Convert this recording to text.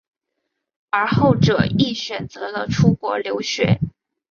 而后者亦选择了出国留学。